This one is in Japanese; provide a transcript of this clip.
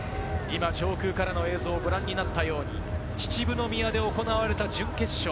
上空からの映像をご覧になったように、秩父宮で行われた準決勝。